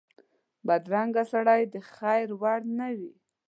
بدرنګه سړی د خیر وړ نه وي